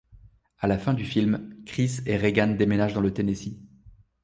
À la fin du film, Chris et Regan déménagent dans le Tennessee.